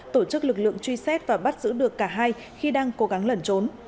tổ chức lực lượng truy xét và bắt giữ được cả hai khi đang cố gắng lẩn trốn